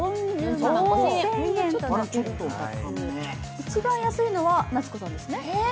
一番安いのは夏子さんですね。